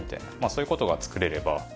そういう事が作れれば。